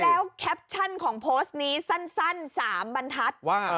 แล้วแคปชั่นของโพสต์นี้สั้น๓บรรทัศน์